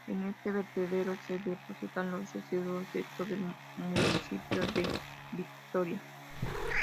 En este vertedero se depositan los residuos de todo el municipio de Vitoria.